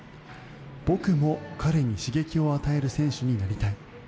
僕も彼に刺激を与える選手になりたい。